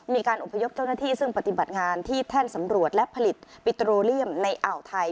มีการอบพยพเจ้าหน้าที่ซึ่งปฏิบัติงานที่แท่นสำรวจและผลิตปิโตเลียมในอ่าวไทย